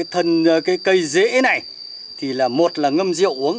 thế cái cây dễ này thì là một là ngâm rượu uống